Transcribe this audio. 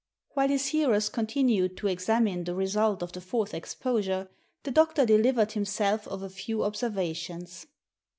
While his hearers continued to examine the result of the fourth exposure the doctor delivered himself of a few observations.